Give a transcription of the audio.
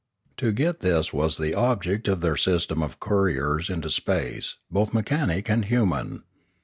To get this was the object of their system of couriers into space, both mechanic and human.